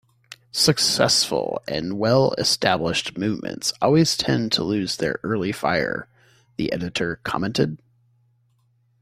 'Successful and well-established movements always tend to lose their early fire', the editor commented.